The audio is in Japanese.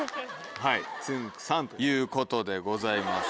はいつんく♂さんということでございます。